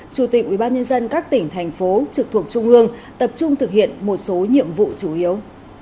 chủ tịch ubnd các tỉnh thành phố trực thuộc trung ương tập trung thực hiện một số nhiệm vụ chủ yếu